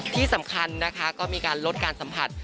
ที่สำคัญนะคะก็มีการลดการสัมผัส